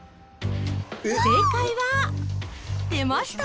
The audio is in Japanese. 正解は出ました